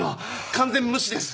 完全無視です。